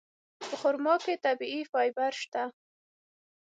په خرما کې طبیعي فایبر شته.